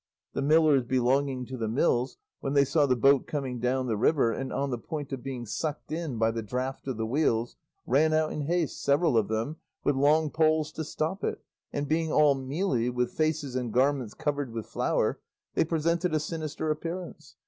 The millers belonging to the mills, when they saw the boat coming down the river, and on the point of being sucked in by the draught of the wheels, ran out in haste, several of them, with long poles to stop it, and being all mealy, with faces and garments covered with flour, they presented a sinister appearance.